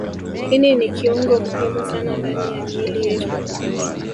Ini ni kiungo muhimu sana ndani ya miili yetu